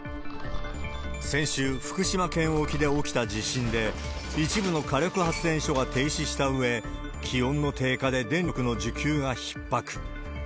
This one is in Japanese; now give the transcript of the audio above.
先週、福島県沖で起きた地震で、一部の火力発電所が停止したうえ、気温の低下で電力の需給がひっ迫。